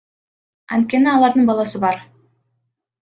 Анткени алардын баласы бар.